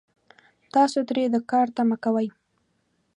تاسو ترې د کار تمه کوئ